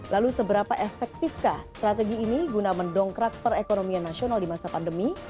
lalu seberapa efektifkah strategi ini guna mendongkrak perekonomian nasional di masa pandemi